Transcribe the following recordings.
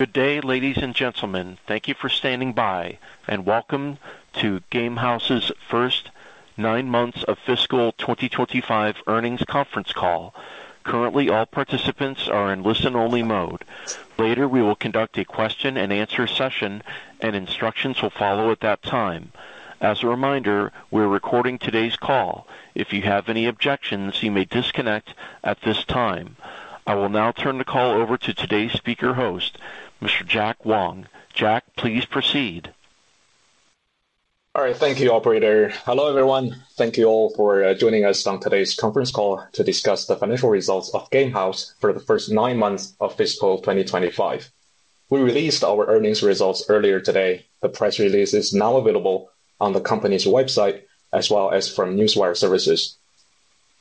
Good day, ladies and gentlemen. Thank you for standing by, and welcome to Gamehaus' first nine months of fiscal 2025 earnings conference call. Currently, all participants are in listen-only mode. Later, we will conduct a question-and-answer session, and instructions will follow at that time. As a reminder, we're recording today's call. If you have any objections, you may disconnect at this time. I will now turn the call over to today's speaker-host, Mr. Jack Wong. Jack, please proceed. All right. Thank you, Operator. Hello, everyone. Thank you all for joining us on today's conference call to discuss the financial results of Gamehaus for the first nine months of fiscal 2025. We released our earnings results earlier today. The press release is now available on the company's website, as well as from Newswire Services.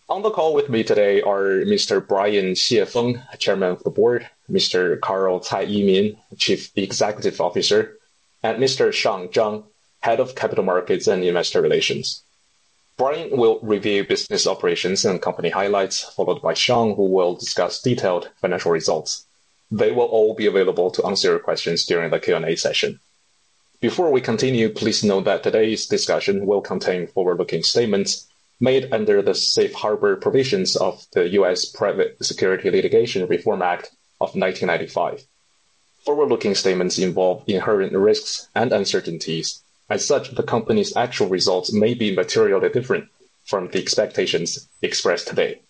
On the call with me today are Mr. Brian Xie Feng, Chairman of the Board; Mr. Carl Cai Yimin, Chief Executive Officer; and Mr. Shawn Zhang, Head of Capital Markets and Investor Relations. Brian will review business operations and company highlights, followed by Shawn, who will discuss detailed financial results. They will all be available to answer your questions during the Q&A session. Before we continue, please note that today's discussion will contain forward-looking statements made under the Safe Harbor provisions of the U.S. Private Securities Litigation Reform Act of 1995. Forward-looking statements involve inherent risks and uncertainties. As such, the company's actual results may be materially different from the expectations expressed today.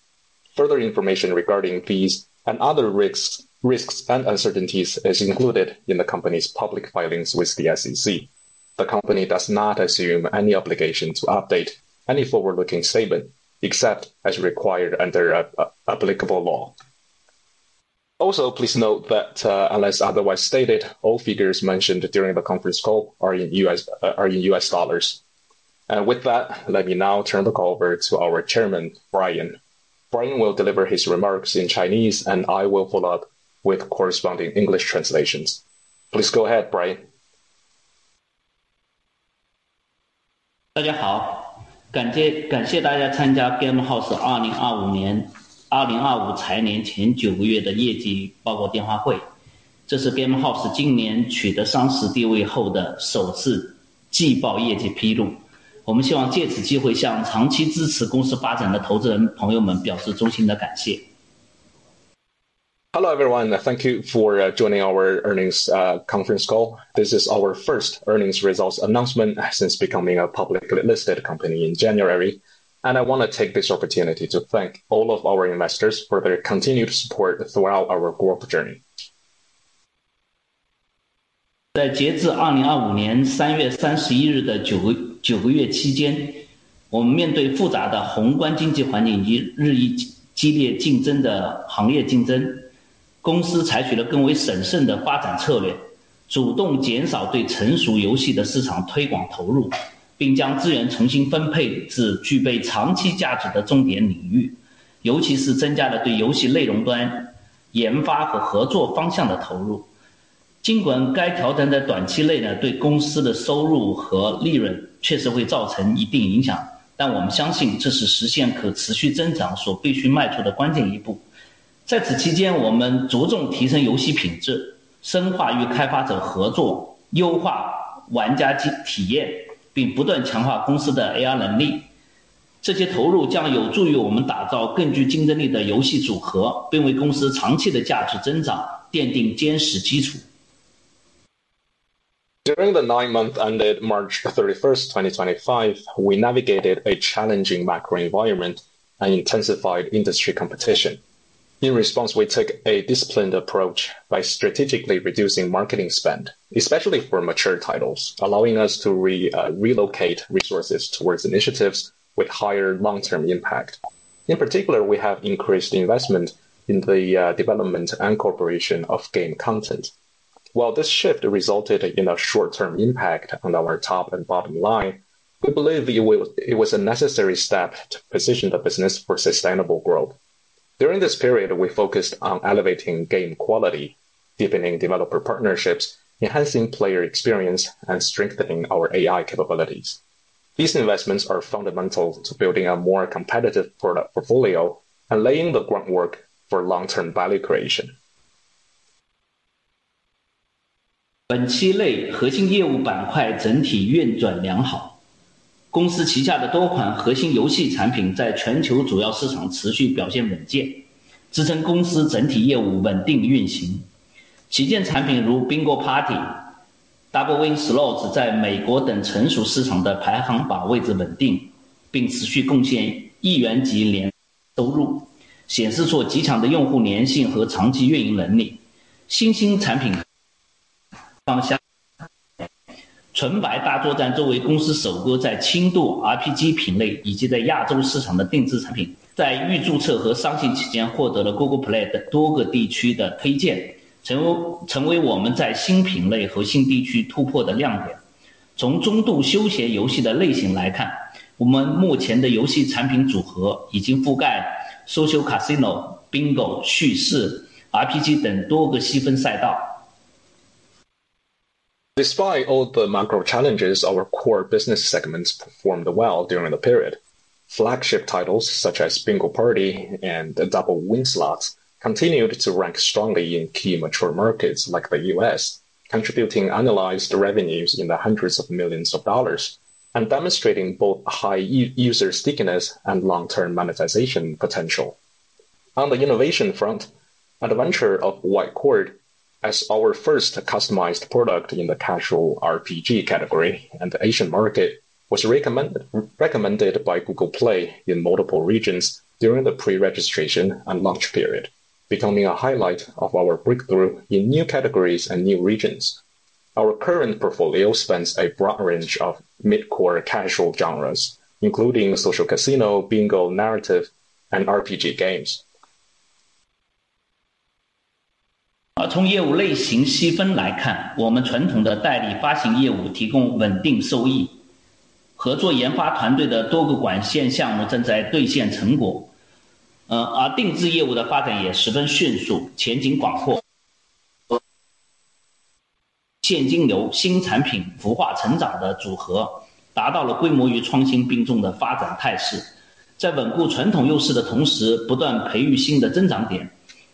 Further information regarding these and other risks and uncertainties is included in the company's public filings with the SEC. The company does not assume any obligation to update any forward-looking statement except as required under applicable law. Also, please note that, unless otherwise stated, all figures mentioned during the conference call are in U.S. dollars. And with that, let me now turn the call over to our Chairman, Brian. Brian will deliver his remarks in Chinese, and I will follow up with corresponding English translations. Please go ahead, Brian. 大家好，感谢大家参加 Gamehaus 2025 财年前九个月的业绩报告电话会。这是 Gamehaus 今年取得上市地位后的首次季报业绩披露。我们希望借此机会向长期支持公司发展的投资人朋友们表示衷心的感谢。Hello, everyone. Thank you for joining our earnings conference call. This is our first earnings results announcement since becoming a publicly listed company in January. And I want to take this opportunity to thank all of our investors for their continued support throughout our growth journey. 在截至 2025年3月31 AI 能力。这些投入将有助于我们打造更具竞争力的游戏组合，并为公司长期的价值增长奠定坚实基础。During the nine months ended March 31st, 2025, we navigated a challenging macro environment and intensified industry competition. In response, we took a disciplined approach by strategically reducing marketing spend, especially for mature titles, allowing us to relocate resources towards initiatives with higher long-term impact. In particular, we have increased investment in the development and cooperation of game content. While this shift resulted in a short-term impact on our top and bottom line, we believe it was a necessary step to position the business for sustainable growth. During this period, we focused on elevating game quality, deepening developer partnerships, enhancing player experience, and strengthening our AI capabilities. These investments are fundamental to building a more competitive product portfolio and laying the groundwork for long-term value creation. 本期内核心业务板块整体运转良好，公司旗下的多款核心游戏产品在全球主要市场持续表现稳健，支撑公司整体业务稳定运行。旗舰产品如 Bingo Party、Double Win Slots 在美国等成熟市场的排行榜位置稳定，并持续贡献亿元级年收入，显示出极强的用户粘性和长期运营能力。新兴产品方向纯白大作战作为公司首个在轻度 RPG 品类以及在亚洲市场的定制产品，在预注册和上线期间获得了 Google Play 等多个地区的推荐，成为我们在新品类和新地区突破的亮点。从中度休闲游戏的类型来看，我们目前的游戏产品组合已经覆盖 Social Casino、Bingo、叙事、RPG 等多个细分赛道。Despite all the macro challenges, our core business segments performed well during the period. Flagship titles such as Bingo Party and Double Win Slots continued to rank strongly in key mature markets like the U.S., contributing substantial revenues in the hundreds of millions of dollars and demonstrating both high user stickiness and long-term monetization potential. On the innovation front, Adventure of White Chord, as our first customized product in the casual RPG category and the Asian market, was recommended by Google Play in multiple regions during the pre-registration and launch period, becoming a highlight of our breakthrough in new categories and new regions. Our current portfolio spans a broad range of mid-core casual genres, including Social Casino, Bingo, narrative, and RPG games.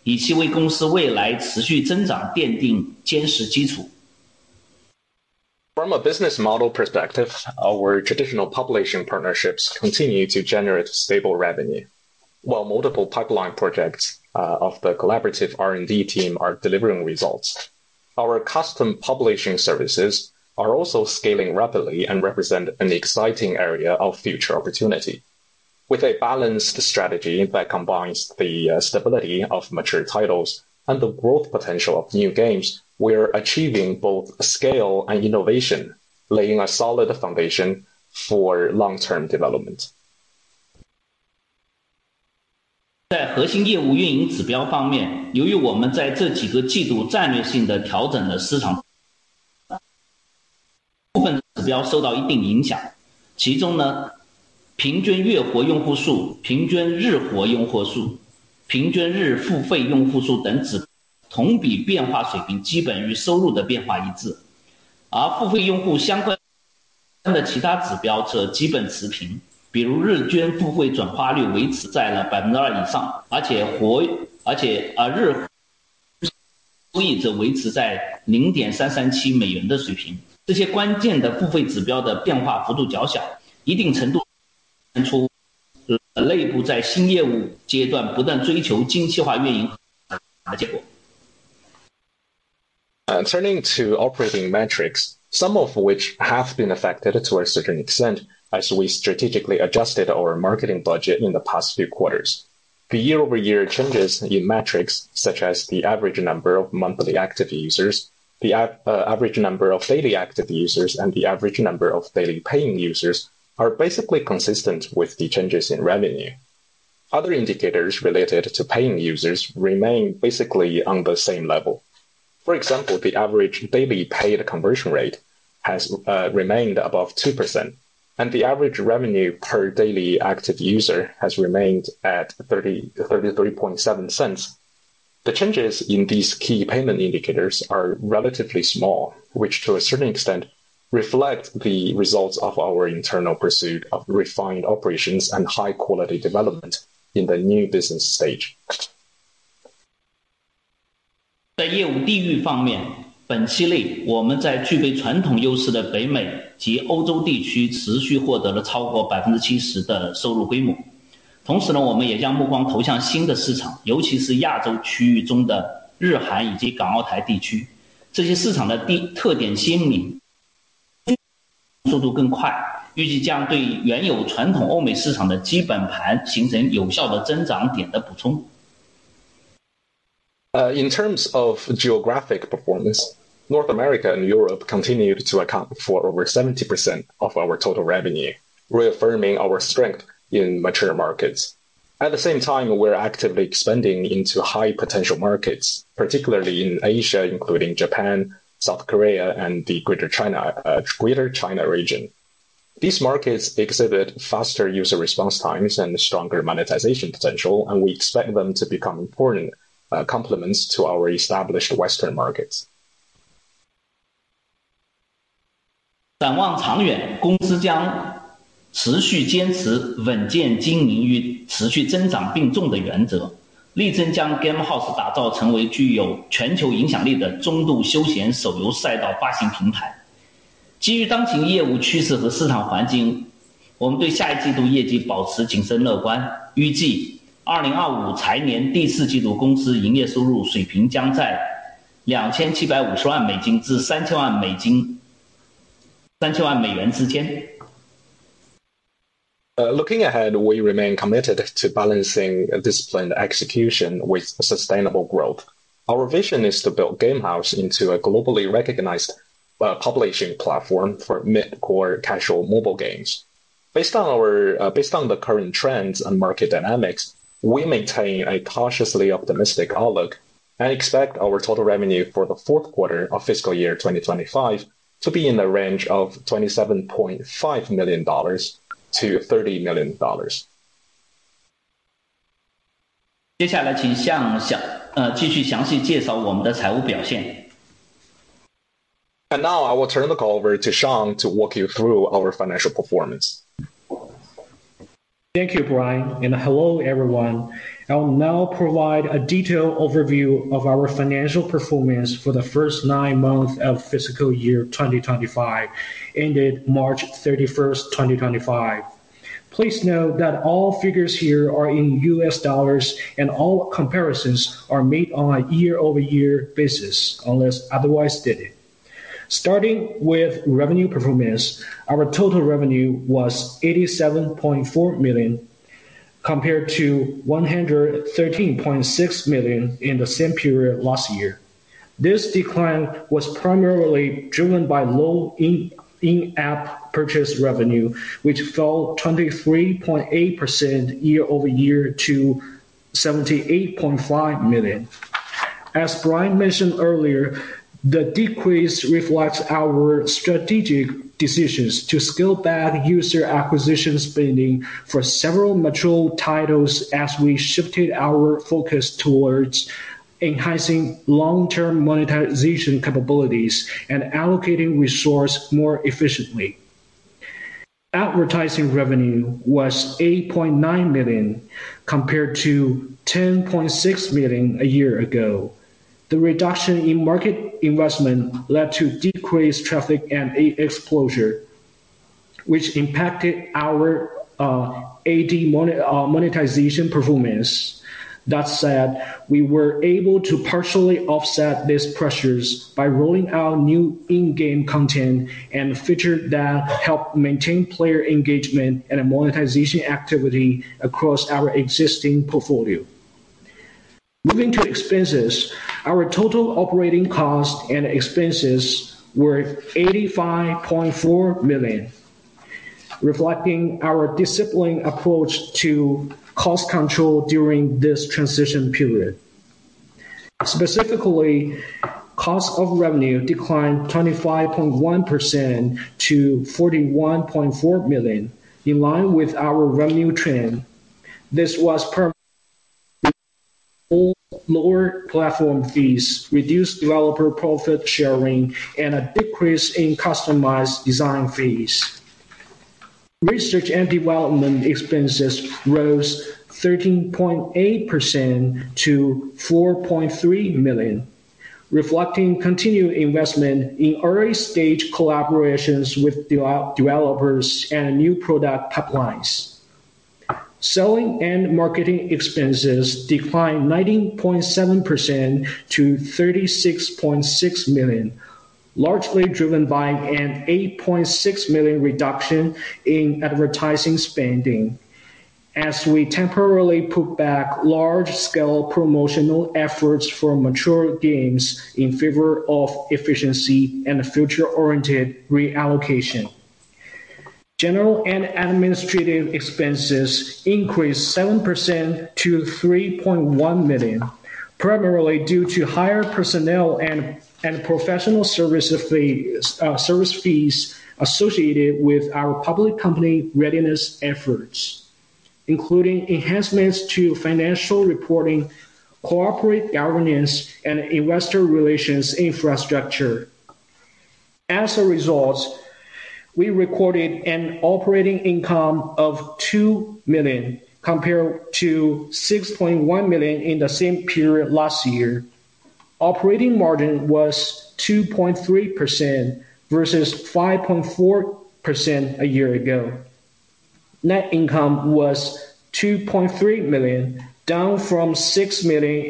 From a business model perspective, our traditional publishing partnerships continue to generate stable revenue, while multiple pipeline projects of the collaborative R&D team are delivering results. Our custom publishing services are also scaling rapidly and represent an exciting area of future opportunity. With a balanced strategy that combines the stability of mature titles and the growth potential of new games, we are achieving both scale and innovation, laying a solid foundation for long-term development. Turning to operating metrics, some of which have been affected to a certain extent as we strategically adjusted our marketing budget in the past few quarters. The year-over-year changes in metrics, such as the average number of monthly active users, the average number of daily active users, and the average number of daily paying users, are basically consistent with the changes in revenue. Other indicators related to paying users remain basically on the same level. For example, the average daily paid conversion rate has remained above 2%, and the average revenue due to daily active user has remained at $0.337. The changes in these key payment indicators are relatively small, which to a certain extent reflect the results of our internal pursuit of refined operations and high-quality development in the new business stage. 在业务地域方面，本期内我们在具备传统优势的北美及欧洲地区持续获得了超过 70% 的收入规模。同时，我们也将目光投向新的市场，尤其是亚洲区域中的日韩以及港澳台地区。这些市场的特点鲜明，速度更快，预计将对原有传统欧美市场的基本盘形成有效的增长点的补充。In terms of geographic performance, North America and Europe continued to account for over 70% of our total revenue, reaffirming our strength in mature markets. At the same time, we're actively expanding into high-potential markets, particularly in Asia, including Japan, South Korea, and the Greater China region. These markets exhibit faster user response times and stronger monetization potential, and we expect them to become important complements to our established Western markets. Looking ahead, we remain committed to balancing disciplined execution with sustainable growth. Our vision is to build Gamehaus into a globally recognized publishing platform for Mid-Core casual mobile games. Based on the current trends and market dynamics, we maintain a cautiously optimistic outlook and expect our total revenue for the fourth quarter of fiscal year 2025 to be in the range of $27.5 million-$30 million. 接下来请向下继续详细介绍我们的财务表现。Now I will turn the call over to Shawn to walk you through our financial performance. Thank you, Brian, and hello everyone. I will now provide a detailed overview of our financial performance for the first nine months of fiscal year 2025, ended March 31st, 2025. Please note that all figures here are in U.S. dollars, and all comparisons are made on a year-over-year basis, unless otherwise stated. Starting with revenue performance, our total revenue was $87.4 million compared to $113.6 million in the same period last year. This decline was primarily driven by low in-app purchase revenue, which fell 23.8% year-over-year to $78.5 million. As Brian mentioned earlier, the decrease reflects our strategic decisions to scale back user acquisition spending for several mature titles as we shifted our focus towards enhancing long-term monetization capabilities and allocating resources more efficiently. Advertising revenue was $8.9 million compared to $10.6 million a year ago. The reduction in market investment led to decreased traffic and exposure, which impacted our AD monetization performance. That said, we were able to partially offset these pressures by rolling out new in-game content and features that helped maintain player engagement and monetization activity across our existing portfolio. Moving to expenses, our total operating cost and expenses were $85.4 million, reflecting our disciplined approach to cost control during this transition period. Specifically, cost of revenue declined 25.1% to $41.4 million, in line with our revenue trend. This was per lower platform fees, reduced developer profit sharing, and a decrease in customized design fees. Research and development expenses rose 13.8% to $4.3 million, reflecting continued investment in early-stage collaborations with developers and new product pipelines. Selling and marketing expenses declined 19.7% to $36.6 million, largely driven by an $8.6 million reduction in advertising spending, as we temporarily pull back large-scale promotional efforts for mature games in favor of efficiency and future-oriented reallocation. General and administrative expenses increased 7% to $3.1 million, primarily due to higher personnel and professional service fees associated with our public company readiness efforts, including enhancements to financial reporting, corporate governance, and investor relations infrastructure. As a result, we recorded an operating income of $2 million compared to $6.1 million in the same period last year. Operating margin was 2.3% versus 5.4% a year ago. Net income was $2.3 million, down from $6 million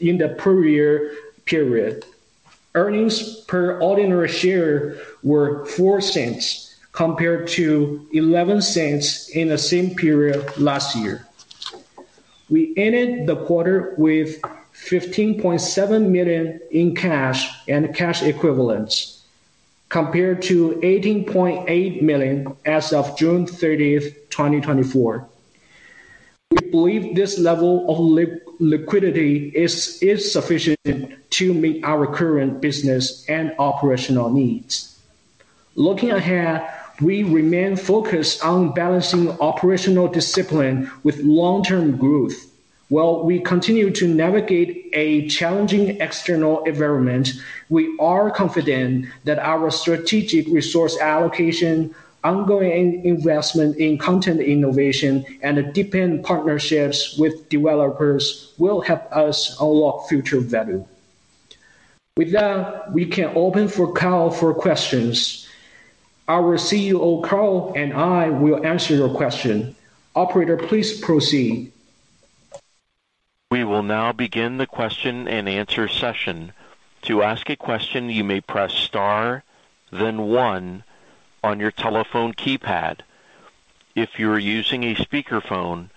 in the previous period. Earnings per ordinary share were $0.04 compared to $0.11 in the same period last year. We ended the quarter with $15.7 million in cash and cash equivalents compared to $18.8 million as of June 30th, 2024. We believe this level of liquidity is sufficient to meet our current business and operational needs. Looking ahead, we remain focused on balancing operational discipline with long-term growth. While we continue to navigate a challenging external environment, we are confident that our strategic resource allocation, ongoing investment in content innovation, and deepened partnerships with developers will help us unlock future value. With that, we can open for call for questions. Our CEO, Carl, and I will answer your question. Operator, please proceed. We will now begin the question and answer session. To ask a question, you may press star, then one on your telephone keypad. If you're using a speakerphone,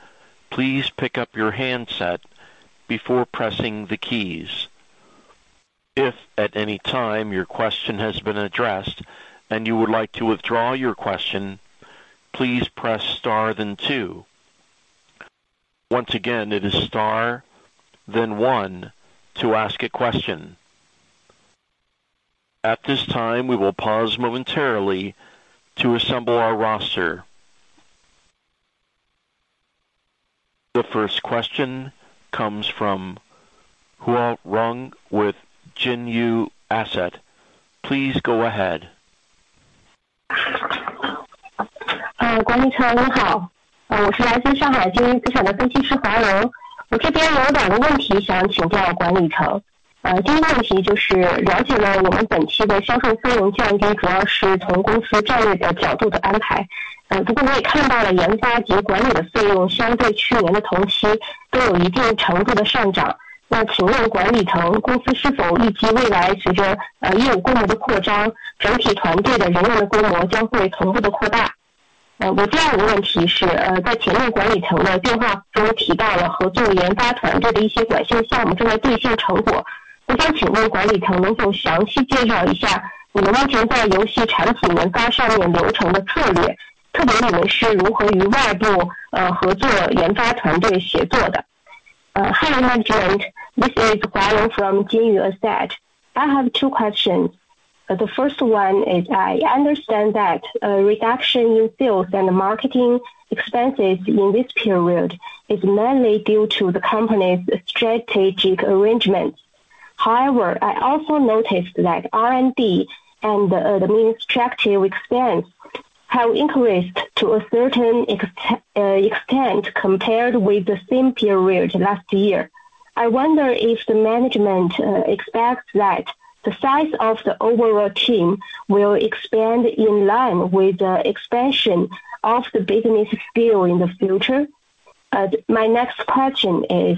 please pick up your handset before pressing the keys. If at any time your question has been addressed and you would like to withdraw your question, please press star, then two. Once again, it is star, then one to ask a question. At this time, we will pause momentarily to assemble our roster. The first question comes from Hua Rong with Jin Yu Asset. Please go ahead. 管理层你好，我是来自上海锦御资产的分析师霍荣。我这边有两个问题想请教管理层。第一个问题就是了解到你们本期的销售费用降低主要是从公司战略的角度的安排。不过我也看到了研发及管理的费用相对去年的同期都有一定程度的上涨。请问管理层公司是否预计未来随着业务规模的扩张，整体团队的人员的规模将会同步的扩大？我第二个问题是在前面管理层的电话中提到了合作研发团队的一些短线项目正在兑现成果。我想请问管理层能否详细介绍一下你们目前在游戏产品研发上面流程的策略，特别你们是如何与外部合作研发团队协作的？ Hi, Management. This is Hua Rong from Jin Yu Asset. I have two questions. The first one is I understand that reduction in sales and marketing expenses in this period is mainly due to the company's strategic arrangements. However, I also noticed that R&D and administrative expense have increased to a certain extent compared with the same period last year. I wonder if the management expects that the size of the overall team will expand in line with the expansion of the business scale in the future? My next question is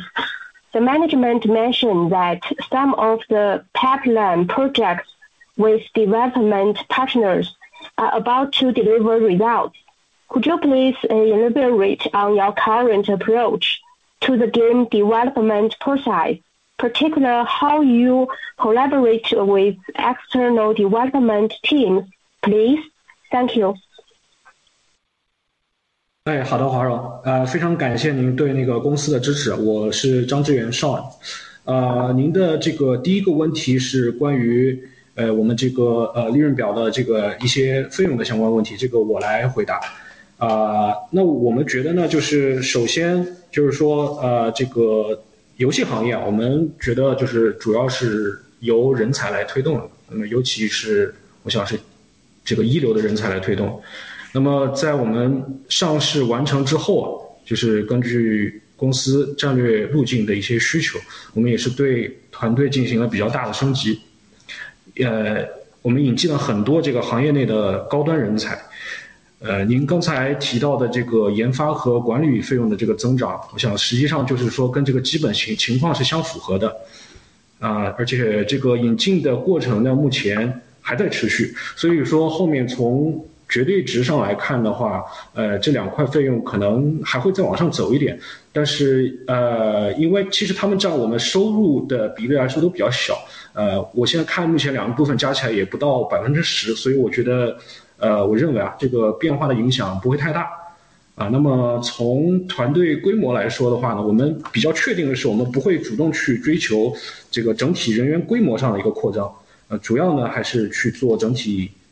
the management mentioned that some of the pipeline projects with development partners are about to deliver results. Could you please elaborate on your current approach to the game development process, particularly how you collaborate with external development teams, please? Thank you.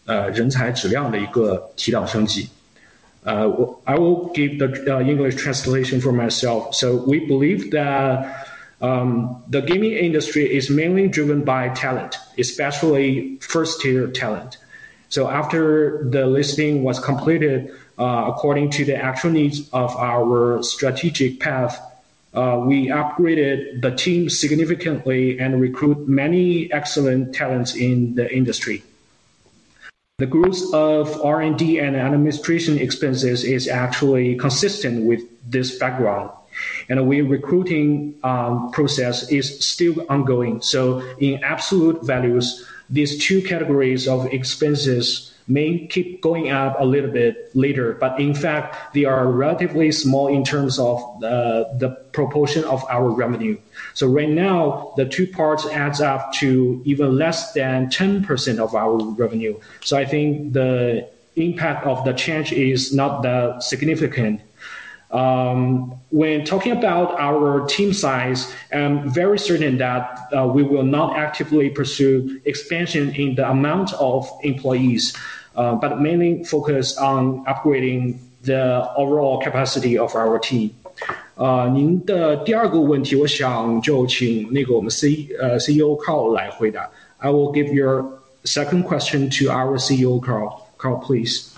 I will give the English translation for myself. So we believe that the gaming industry is mainly driven by talent, especially first-tier talent. So after the listing was completed, according to the actual needs of our strategic path, we upgraded the team significantly and recruited many excellent talents in the industry. The growth of R&D and administration expenses is actually consistent with this background, and the recruiting process is still ongoing. So in absolute values, these two categories of expenses may keep going up a little bit later, but in fact, they are relatively small in terms of the proportion of our revenue. So right now, the two parts add up to even less than 10% of our revenue. So I think the impact of the change is not that significant. When talking about our team size, I'm very certain that we will not actively pursue expansion in the amount of employees, but mainly focus on upgrading the overall capacity of our team. 您的第二个问题我想就请那个我们CEO Carl来回答。I will give your second question to our CEO, Carl. Carl, please.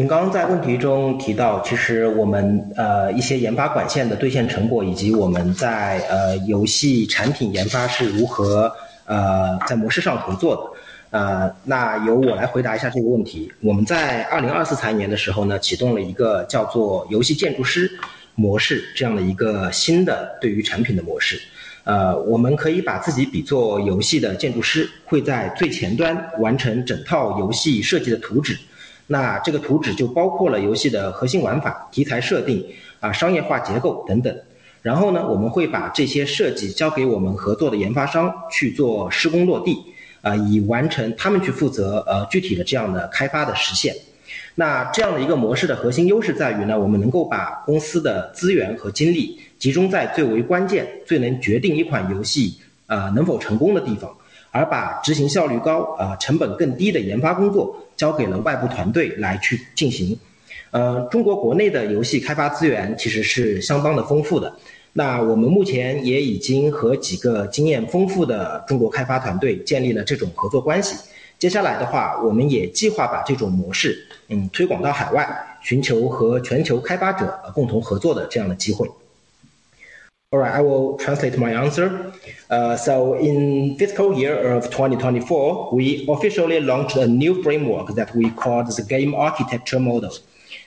好的。All right, I will translate my answer. In Fiscal Year 2024, we officially launched a new framework that we call the Game Architecture Model.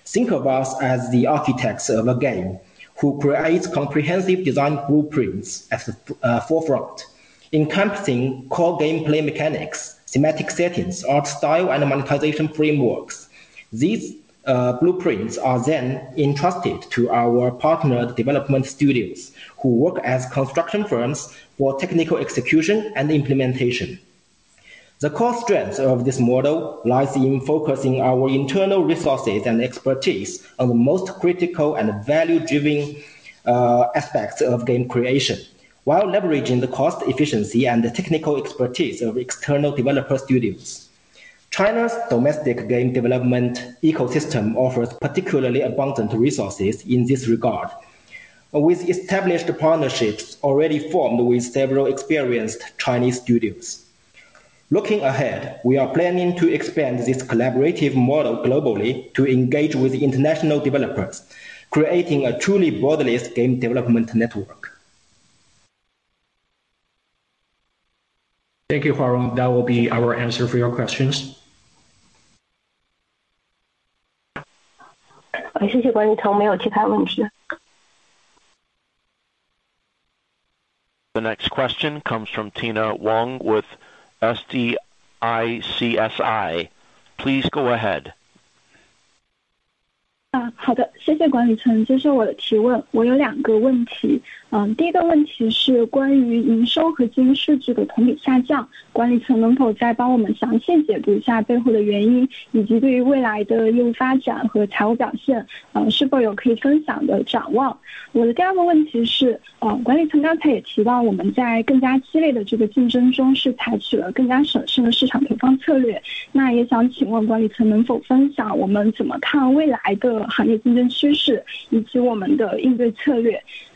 Think of us as the architects of a game who create comprehensive design blueprints at the forefront, encompassing core gameplay mechanics, thematic settings, art style, and monetization frameworks. These blueprints are then entrusted to our partner development studios who work as construction firms for technical execution and implementation. The core strength of this model lies in focusing our internal resources and expertise on the most critical and value-driven aspects of game creation, while leveraging the cost efficiency and technical expertise of external developer studios. China's domestic game development ecosystem offers particularly abundant resources in this regard, with established partnerships already formed with several experienced Chinese studios. Looking ahead, we are planning to expand this collaborative model globally to engage with international developers, creating a truly borderless game development network. Thank you, Hua Rong. That will be our answer for your questions. 谢谢管理层，没有其他问题。The next question comes from Tina Wang with SDICSI. Please go ahead.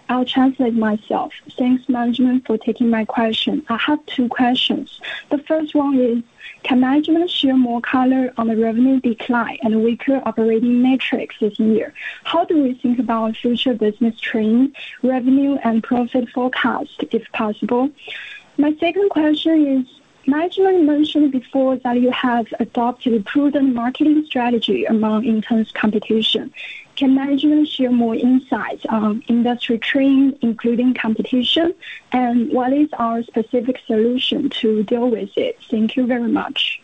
I'll translate myself. Thanks, Management, for taking my question. I have two questions. The first one is, can management share more color on the revenue decline and weaker operating metrics this year? How do we think about future business trend, revenue, and profit forecast if possible? My second question is, management mentioned before that you have adopted a prudent marketing strategy among intense competition. Can management share more insights on industry trend, including competition, and what is our specific solution to deal with it? Thank you very much.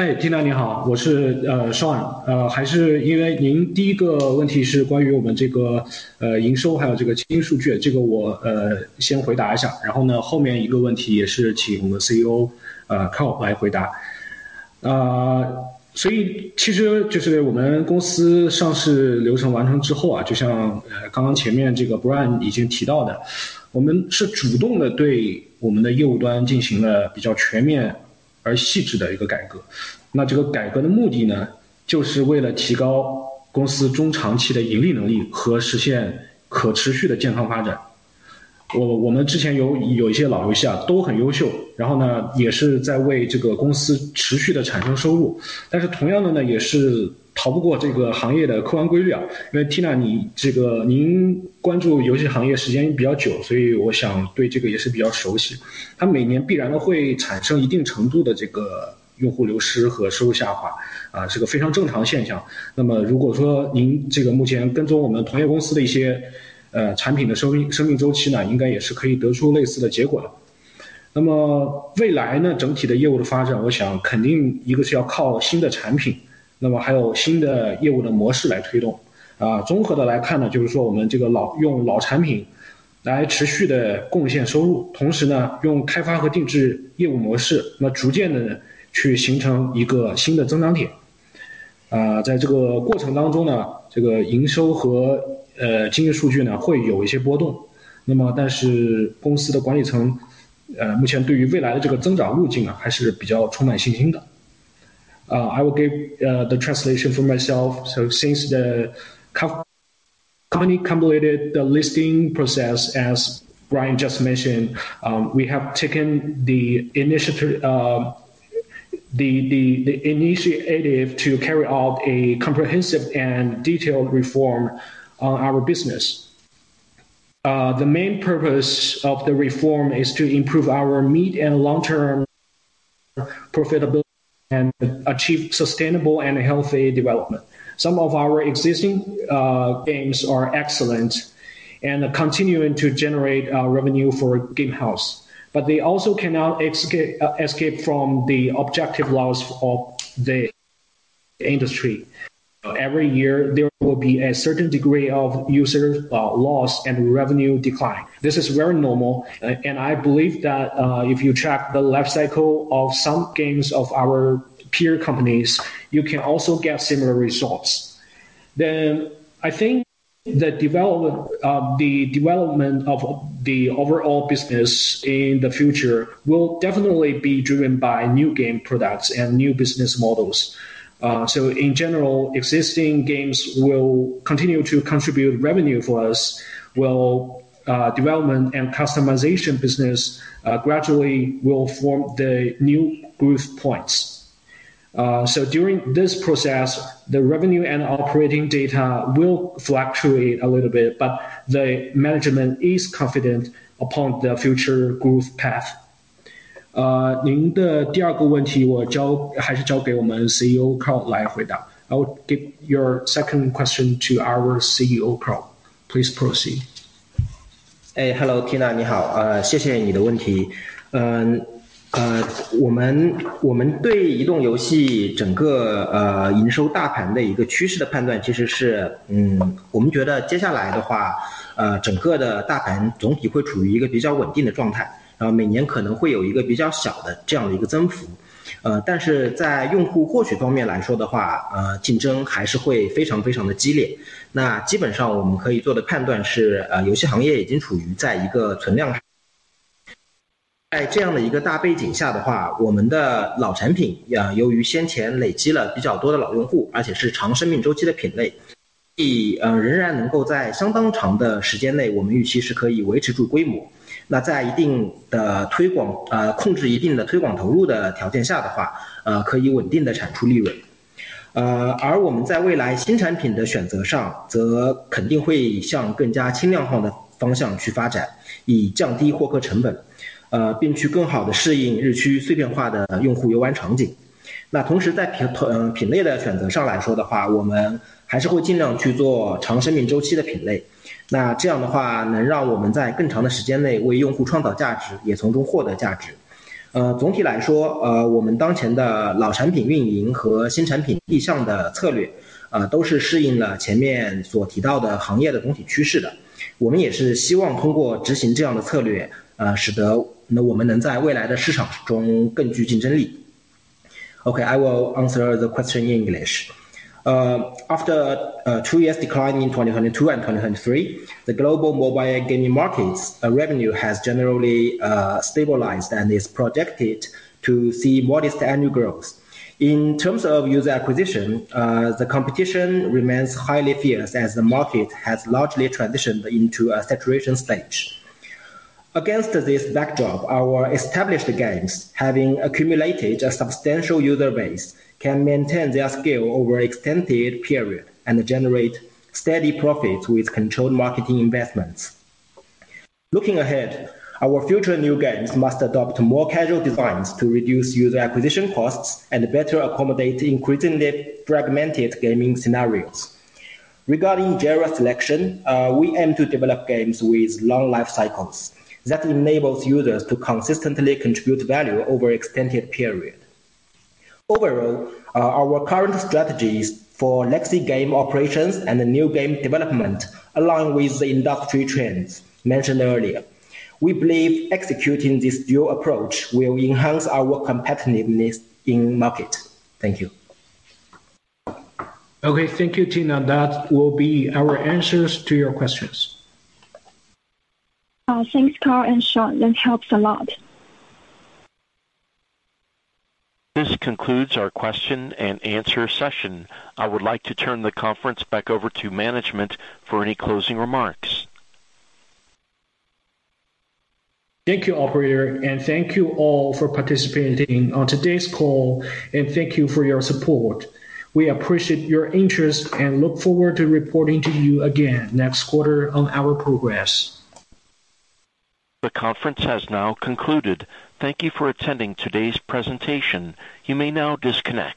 嗨，Tina，你好。我是Shawn。还是因为您第一个问题是关于我们营收还有经营数据，这个我先回答一下，然后后面一个问题也是请我们CEO I will give the translation for myself, so since the company completed the listing process, as Brian just mentioned, we have taken the initiative to carry out a comprehensive and detailed reform on our business. The main purpose of the reform is to improve our mid and long-term profitability and achieve sustainable and healthy development. Some of our existing games are excellent and continuing to generate revenue for Gamehaus. But they also cannot escape from the objective laws of the industry. Every year, there will be a certain degree of user loss and revenue decline. This is very normal, and I believe that if you track the life cycle of some games of our peer companies, you can also get similar results, then I think the development of the overall business in the future will definitely be driven by new game products and new business models. So in general, existing games will continue to contribute revenue for us, while development and customization business gradually will form the new growth points. So during this process, the revenue and operating data will fluctuate a little bit, but the management is confident upon the future growth path. 您的第二个问题我还是交给我们CEO Carl来回答。I will give your second question to our CEO, Carl. Please proceed. 哎，Hello, Tina，你好。谢谢你的问题。我们对移动游戏整个营收大盘的一个趋势的判断其实是，我们觉得接下来的话，整个的大盘总体会处于一个比较稳定的状态，每年可能会有一个比较小的这样的一个增幅。但是在用户获取方面来说的话，竞争还是会非常非常的激烈。基本上我们可以做的判断是游戏行业已经处于在一个存量上。在这样的一个大背景下的话，我们的老产品由于先前累积了比较多的老用户，而且是长生命周期的品类，仍然能够在相当长的时间内，我们预期是可以维持住规模。在一定的推广，控制一定的推广投入的条件下的话，可以稳定地产出利润。而我们在未来新产品的选择上则肯定会向更加轻量化的方向去发展，以降低获客成本，并去更好地适应日趋碎片化的用户游玩场景。同时在品类的选择上来说的话，我们还是会尽量去做长生命周期的品类。这样的话能让我们在更长的时间内为用户创造价值，也从中获得价值。总体来说，我们当前的老产品运营和新产品立项的策略都是适应了前面所提到的行业的总体趋势的。我们也是希望通过执行这样的策略，使得我们能在未来的市场中更具竞争力。Okay, I will answer the question in English. After two years' decline in 2022 and 2023, the global mobile gaming market's revenue has generally stabilized and is projected to see modest annual growth. In terms of user acquisition, the competition remains highly fierce as the market has largely transitioned into a saturation stage. Against this backdrop, our established games, having accumulated a substantial user base, can maintain their scale over an extended period and generate steady profits with controlled marketing investments. Looking ahead, our future new games must adopt more casual designs to reduce user acquisition costs and better accommodate increasingly fragmented gaming scenarios. Regarding genre selection, we aim to develop games with long life cycles that enables users to consistently contribute value over an extended period. Overall, our current strategies for legacy game operations and new game development align with the industry trends mentioned earlier. We believe executing this dual approach will enhance our competitiveness in the market. Thank you. Okay, thank you, Tina. That will be our answers to your questions. Thanks, Carl and Shawn. That helps a lot. This concludes our question-and-answer session. I would like to turn the conference back over to management for any closing remarks. Thank you, Operator, and thank you all for participating on today's call, and thank you for your support. We appreciate your interest and look forward to reporting to you again next quarter on our progress. The conference has now concluded. Thank you for attending today's presentation. You may now disconnect.